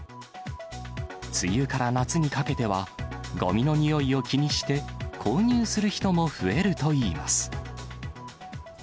梅雨から夏にかけては、ごみの臭いを気にして、購入する人も増えるといいます。